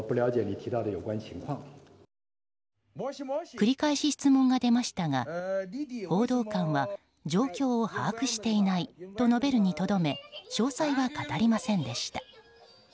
繰り返し質問が出ましたが報道官は状況を把握していないと述べるにとどめ詳細は語りませんでした。